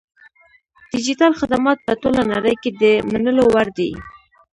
ډیجیټل خدمات په ټوله نړۍ کې د منلو وړ دي.